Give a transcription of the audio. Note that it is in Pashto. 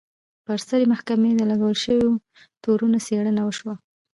پر سترې محکمې د لګول شویو تورونو څېړنه وشوه.